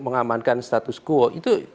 mengamankan status quo itu